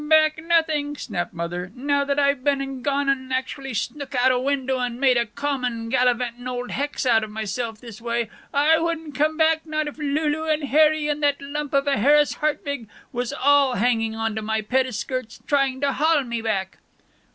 "Back nothing!" snapped Mother. "Now that I've been and gone and actually snook out of a window and made a common gallivanting old hex out of myself this way, I wouldn't come back not if Lulu and Harry and that lump of a Harris Hartwig was all a hanging on to my pettiskirts and trying to haul me back."